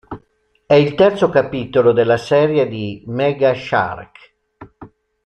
È il terzo capitolo della serie di Mega Shark.